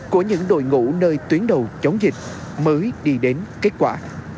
của những đội ngũ nơi tuyến đầu chống dịch mới đi đến kết quả